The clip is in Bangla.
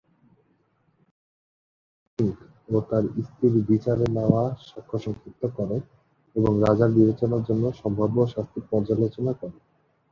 এটি লিংক ও তার স্ত্রীর বিচারে নেওয়া সাক্ষ্য সংক্ষিপ্ত করে এবং রাজার বিবেচনার জন্য সম্ভাব্য শাস্তির পর্যালোচনা করে।